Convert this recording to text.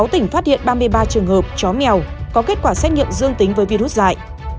sáu tỉnh phát hiện ba mươi ba trường hợp chó mèo có kết quả xét nghiệm dương tính với virus dạy